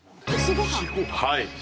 はい。